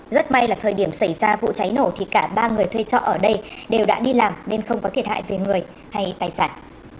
rất may là thời điểm xảy ra vụ cháy nổ thì cả ba người thuê trọ ở đây đều đã đi làm nên không có thiệt hại về người hay tài sản